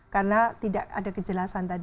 karena tidak ada kejelasan tadi